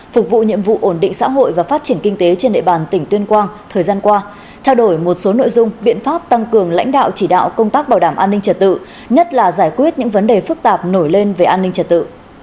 phục vụ nhiệm vụ ổn định xã hội và phát triển kinh tế trên địa bàn tỉnh tuyên quang thời gian qua trao đổi một số nội dung biện pháp tăng cường lãnh đạo chỉ đạo công tác bảo đảm an ninh trật tự nhất là giải quyết những vấn đề phức tạp nổi lên về an ninh trật tự